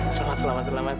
selamat selamat selamat